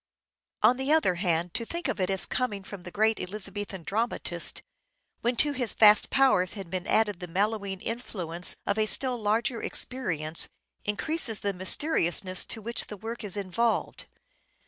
'THE TEMPEST' 517 On the other hand, to think of it as coming from the greatest Elizabethan dramatist, when to his vast powers had been added the mellowing influence of a still larger experience, increases the mysteriousness in which the work is involved.